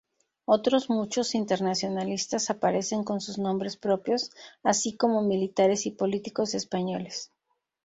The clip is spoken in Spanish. Otros muchos internacionalistas aparecen con sus nombres propios, así como militares y políticos españoles.